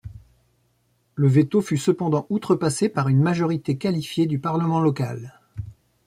Le veto fut cependant outrepassé par une majorité qualifiée du parlement local.